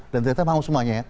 dan ternyata mau semuanya